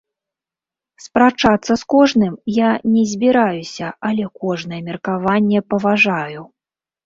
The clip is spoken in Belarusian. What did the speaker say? Спрачацца з кожным я не збіраюся, але кожнае меркаванне паважаю.